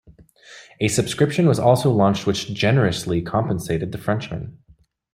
A subscription was also launched which generously compensated the Frenchmen.